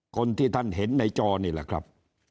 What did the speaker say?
คนที่ท่านเห็นในจอนี่แหละครับ